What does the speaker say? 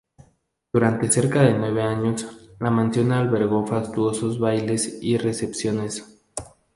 Durante cerca de nueve años, la mansión albergó fastuosos bailes y recepciones.